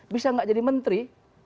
bisa gak jadi menteri